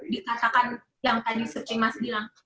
dikatakan yang tadi seperti mas bilang